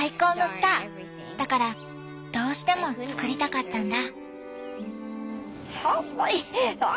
だからどうしても作りたかったんだ。